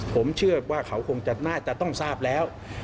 ผมเชื่อว่าเขาคงจะน่าจะต้องทราบแล้ว